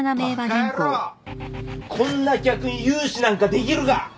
こんな客に融資なんかできるか。